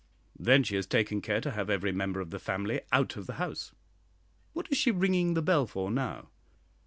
Then she has taken care to have every member of the family out of the house. What is she ringing the bell for now?"